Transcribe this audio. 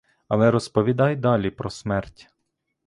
Але розповідай далі про смерть.